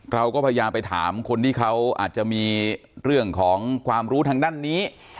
เราก็พยายามไปถามคนที่เขาอาจจะมีเรื่องของความรู้ทางด้านนี้